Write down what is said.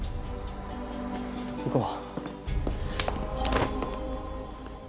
行こう。